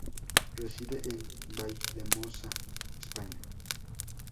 Reside en Valldemosa, España.